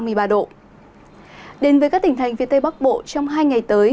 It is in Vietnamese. đến với các tỉnh thành phía tây bắc bộ trong hai ngày tới